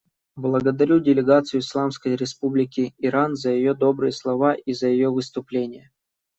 Благодарю делегацию Исламской Республики Иран за ее добрые слова и за ее выступление.